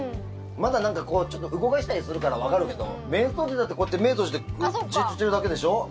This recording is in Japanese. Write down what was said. まだ、なんかこう、ちょっと動かしたりするからわかるけどめい想って、だってこうやって目を閉じてじっとしてるだけでしょう？